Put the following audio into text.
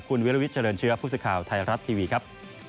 คุณวิลวิทยเจริญเชื้อผู้สื่อข่าวไทยรัฐทีวีครับ